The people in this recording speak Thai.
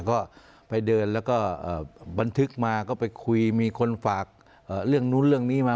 ก็ไปเดินแล้วก็บันทึกมาก็ไปคุยมีคนฝากเรื่องนู้นเรื่องนี้มา